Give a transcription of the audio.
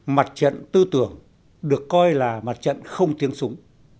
mặt trận tư tưởng được coi là mặt trận không tiếng súng